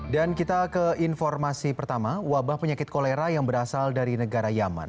dan kita ke informasi pertama wabah penyakit kolera yang berasal dari negara yaman